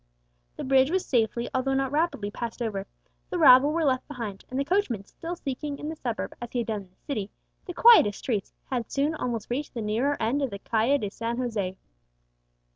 The bridge was safely although not rapidly passed over, the rabble were left behind, and the coachman, still seeking in the suburb, as he had done in the city, the quietest streets, had soon almost reached the nearer end of the Calle de San José.